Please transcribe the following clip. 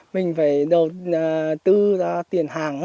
mình phải đầu tư tiền hàng